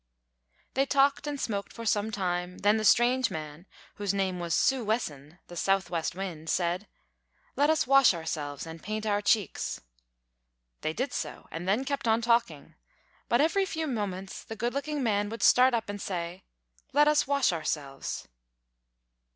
They talked and smoked for some time; then the strange man, whose name was Sūwessen, the Southwest Wind, said: "Let us wash ourselves and paint our cheeks." They did so, and then kept on talking; but every few moments the good looking man would start up and say: "Let us wash ourselves."